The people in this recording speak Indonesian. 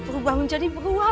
berubah menjadi beruang